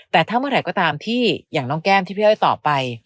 แต่ถ้าเมื่อไหร่ก็ตามที่อย่างน้องแก้มที่พี่อ้อยตอบไป